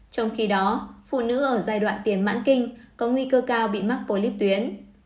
trong khi đó phụ nữ ở giai đoạn tiền mãn kinh có nguy cơ cao bị mắc bolip tuyến